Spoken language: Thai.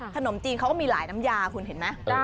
ขนมจีนเขาก็มีหลายน้ำยาคุณเห็นไหม